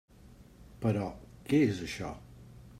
Però què és això?